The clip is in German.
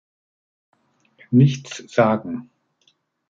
Nichts sagen.